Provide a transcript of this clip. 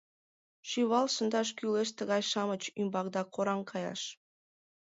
Шӱвал шындаш кӱлеш тыгай-шамыч ӱмбак да кораҥ каяш.